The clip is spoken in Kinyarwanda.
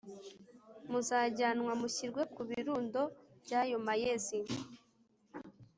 Muzajyanwa mushyirwe ku birundo by ayo mayezi